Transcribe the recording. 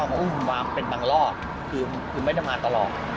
ก็ต้องเอาอุ่นหวามมาเป็นตั้งหลอดคือไม่ได้มาตลอด